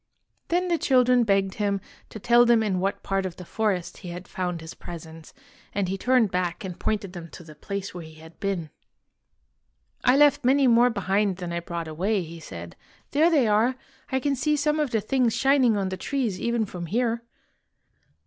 Then the children begged him to tell them in what part of the forest he had found his presents, and he turned back and pointed them to the place where he had been. " I left many more behind than I brought away," he said. ''There they are! I can see some of the things shining on the trees even from here."